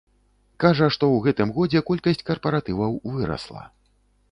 Кажа, што ў гэтым годзе колькасць карпаратываў вырасла.